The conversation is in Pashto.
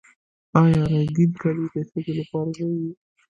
آیا رنګین کالي د ښځو لپاره نه دي؟